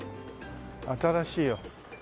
新しいよ。